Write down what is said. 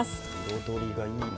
彩りがいいな。